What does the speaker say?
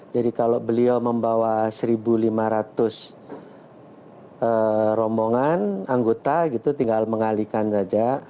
jadi kalau beliau membawa rp satu lima ratus rombongan anggota gitu tinggal mengalihkan saja